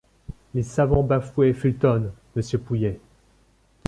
Les savants bafouaient Fulton ; monsieur Pouillet